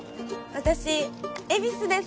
私恵比寿です。